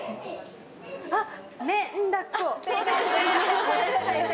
あっ！